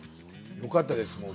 よかったです